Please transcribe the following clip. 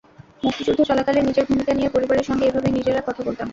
মুক্তিযুদ্ধ চলাকালে নিজের ভূমিকা নিয়ে পরিবারের সঙ্গে এভাবেই নিজের কথা বলতেন।